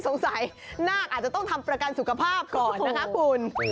สงสัยนาคอาจจะต้องทำประกันสุขภาพก่อนนะคะคุณ